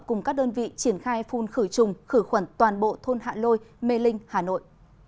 cùng các đơn vị triển khai phun khử trùng khử khuẩn toàn bộ thôn hạ lôi mê linh hà nội